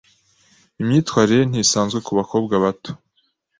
Imyitwarire ye ntisanzwe kubakobwa bato.